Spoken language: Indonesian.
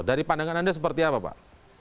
dari pandangan anda seperti apa pak